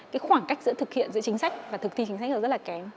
cái khoảng cách giữa thực hiện chính sách và thực thi chính sách rất là kém